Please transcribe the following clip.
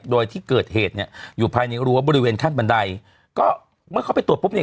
โดยที่เกิดเหตุเนี่ยอยู่ภายในรั้วบริเวณขั้นบันไดก็เมื่อเขาไปตรวจปุ๊บเนี่ย